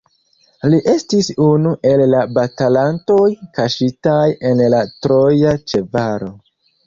Li estis unu el la batalantoj kaŝitaj en la Troja ĉevalo.